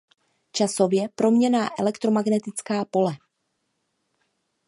Časově proměnná elektromagnetická pole.